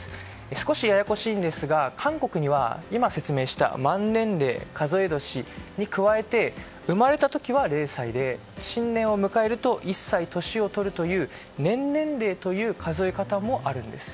少しややこしいんですが韓国には今、説明した満年齢、数え年に加えて生まれた時は０歳で新年を迎えると１歳年を取る年年齢という数え方もあるんです。